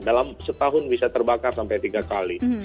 dalam setahun bisa terbakar sampai tiga kali